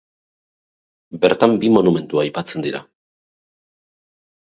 Bertan bi monumentu aipatzen dira.